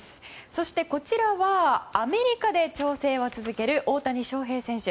そして、こちらはアメリカで調整を続ける大谷翔平選手。